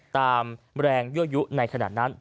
ตามแรงยั่วยุในขณะนั้น